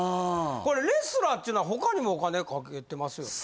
これレスラーっていうのは他にもお金かけてますよね？